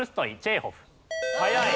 早い。